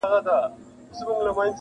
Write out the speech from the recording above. • زاړه خبري بيا راژوندي کيږي..